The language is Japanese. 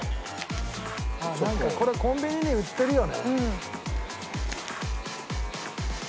ああなんかこれコンビニに売ってるよね。